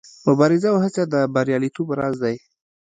مبارزه او هڅه د بریالیتوب راز دی.